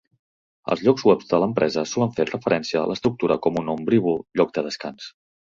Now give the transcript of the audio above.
Els llocs web de l'empresa solen fer referència a l'estructura com un "ombrívol lloc de descans".